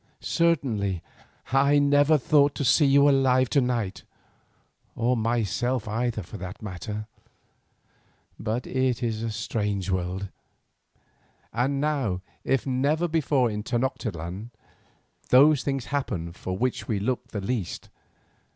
"Certainly I never thought to see you alive to night, or myself either for that matter. But it is a strange world, and now, if never before in Tenoctitlan, those things happen for which we look the least.